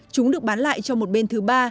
chúng được bán lại cho một bên thứ ba